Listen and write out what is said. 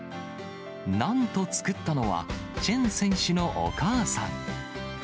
なんと、作ったのはチェン選手のお母さん。